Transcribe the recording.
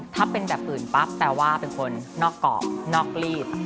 ถ้าเป็นแบบอื่นปั๊บแปลว่าเป็นคนนอกกรอบนอกรีบ